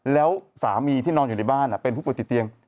แล้วสามีที่นอนอยู่ในบ้านเป็นผู้ป่วยติดเตียง